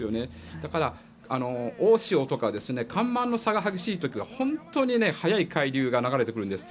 だから、大潮とかは緩慢の差が激しいところは本当に速い海流が流れてくるんです。